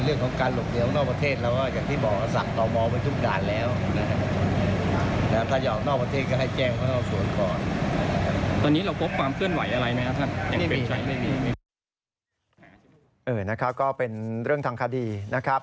นะครับก็เป็นเรื่องทางคดีนะครับ